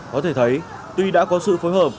có thể thấy tuy đã có sự phối hợp